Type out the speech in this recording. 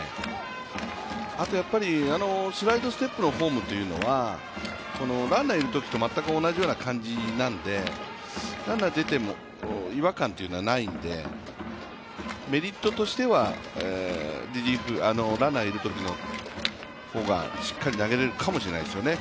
あとスライドステップのフォームというのはランナーがいるときと全く同じような感じなので、ランナーが出ても違和感というのがないのでメリットとしてはリリーフ、ランナーいるときの方がしっかり投げれるかもしれないですよね。